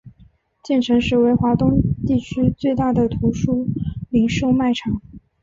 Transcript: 建成时为华东地区最大的图书零售卖场。